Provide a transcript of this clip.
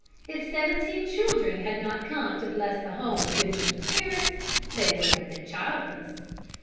If seventeen children had not come to bless the home of Benjamin's parents they would have been childless.